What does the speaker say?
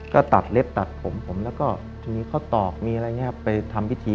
ก็ตัดเล็บตัดผมผมแล้วก็ทีนี้เขาตอกมีอะไรอย่างนี้ไปทำพิธี